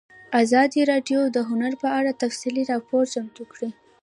ازادي راډیو د هنر په اړه تفصیلي راپور چمتو کړی.